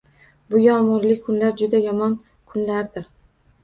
Bu yomg’irli kunlar juda yomon kunlardir